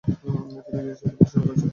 তিনি ইংরেজি সাহিত্যে পড়াশোনা করেছেন।